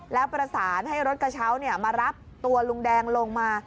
แล้วประสานให้รถกระเช้ามารับตัวลุงแดงลงมา